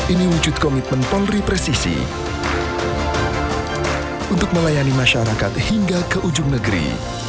ini wujud komitmen polri presisi untuk melayani masyarakat hingga ke ujung negeri